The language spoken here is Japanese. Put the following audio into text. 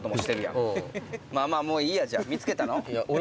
「まあまあもういいやじゃあ。見つけたの？」